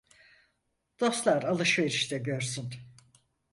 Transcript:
Dostlar alışverişte görsün.